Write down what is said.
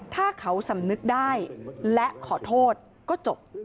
ถ้าเขาสำนึกได้และขอโทษก็จบ